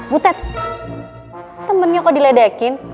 butet temennya kok diledekin